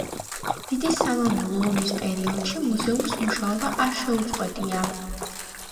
დიდი სამამულო ომის პერიოდში მუზეუმს მუშაობა არ შეუწყვეტია.